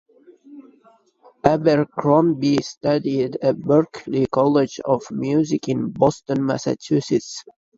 Abercrombie studied at Berklee College of Music in Boston, Massachusetts.